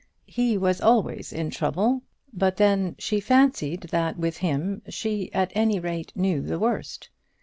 He was always in trouble, but then she fancied that with him she at any rate knew the worst.